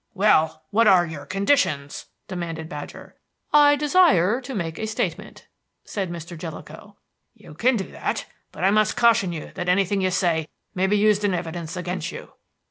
"Well, what are you conditions?" demanded Badger. "I desire to make a statement," said Mr. Jellicoe. "You can do that, but I must caution you that anything you say may be used in evidence against you."